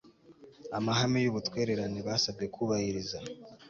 amahame y'ubutwererane basabwe kubahiriza